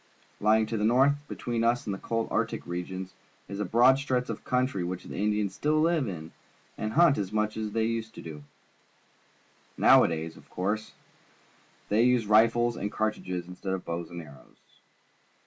Ljdng to the north, between us and the cold Arctic regions, is a broad stretch of country in wliich Indians still live and hunt Prairie Indians in ceremonial Dress much as they used to do. Nowadays, of cour.se, they use rifles and cartridges instead of bows and arrows.